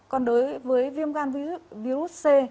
còn đối với viêm gan virus c